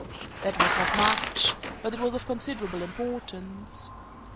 That was not much but it was of considerable importance.